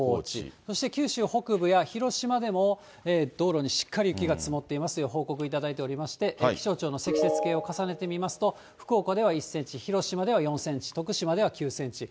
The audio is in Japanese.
そして九州北部や広島でも、道路にしっかり雪が積もっていますという報告いただいておりまして、気象庁の積雪計を重ねてみますと、福岡では１センチ、広島では４センチ、徳島では９センチ。